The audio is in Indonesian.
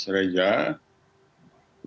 terima kasih mas reza